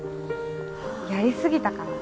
やり過ぎたかな？